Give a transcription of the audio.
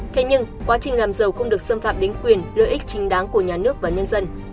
thế nhưng quá trình làm giàu không được xâm phạm đến quyền lợi ích chính đáng của nhà nước và nhân dân